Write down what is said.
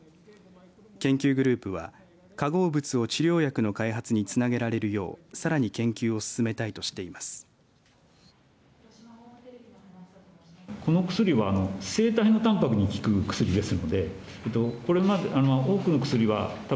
研究グループは化合物を治療薬の開発につなげられるようさらに研究を進めたいとしています。